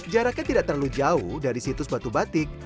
jaraknya tidak terlalu jauh dari situs batu batik